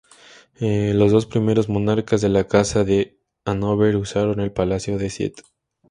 Los dos primeros monarcas de la Casa de Hanover usaron el Palacio de St.